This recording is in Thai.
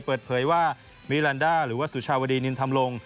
เปิดเผยว่ามิลันดาหรือว่าสุชาวดีนินธรรมลง